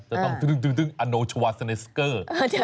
อ่าขออีที